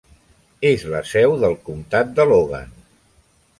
És la seu del comtat de Logan.